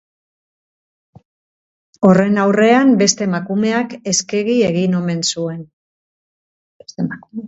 Horren aurrean, beste emakumeak eskegi egin omen zuen.